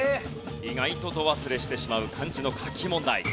意外とど忘れしてしまう漢字の書き問題。